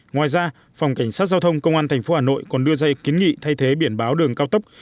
ngoài ra phòng cảnh sát giao thông công an tp hà nội còn đưa dây kiến nghị thay thế biển báo đường cao tốc